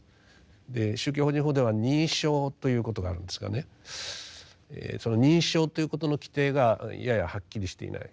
で宗教法人法では認証ということがあるんですがねその認証ということの規定がややはっきりしていない。